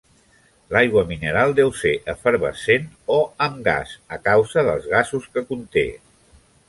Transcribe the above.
L'aigua mineral deu ser efervescent o "amb gas" a causa dels gasos que conté.